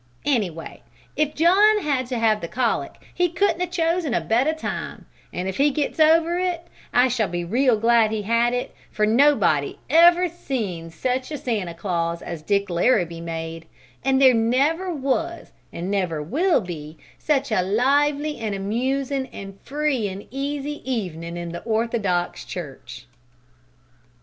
Anyway, if John had to have the colic he couldn't 'a' chosen a better time, an' if he gets over it, I shall be real glad he had it; for nobody ever seen sech a Santa Claus as Dick Larrabee made, an' there never was, an' never will be, sech a lively, an' amusin' an' free an' easy evenin' in the Orthodox church."